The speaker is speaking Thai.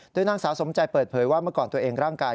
โดยนางสาวสมใจเปิดเผยว่าเมื่อก่อนตัวเองร่างกาย